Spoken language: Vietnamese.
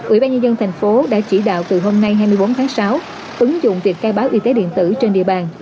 ubnd tp hcm đã chỉ đạo từ hôm nay hai mươi bốn tháng sáu ứng dụng việc khai báo y tế điện tử trên địa bàn